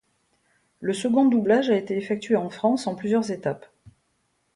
Le second doublage a été effectué en France en plusieurs étapes.